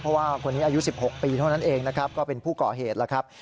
เพราะว่าคนนี้อายุ๑๖ปีเท่านั้นเองนะครับก็เป็นผู้ก่อเหตุแล้วครับ